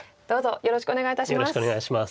よろしくお願いします。